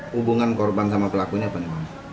hubungan korban sama pelakunya apa ini